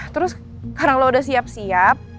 terus karena lo udah siap siap